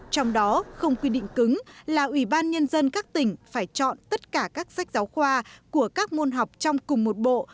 trong đó không quy định cứng là ủy ban nhân dân các tỉnh phải chọn tất cả các sách giáo khoa của các môn học trong cùng một bộ